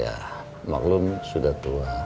ya maklum sudah tua